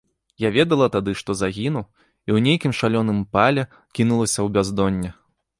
Я ведала тады, што загіну, і ў нейкім шалёным пале кінулася ў бяздонне.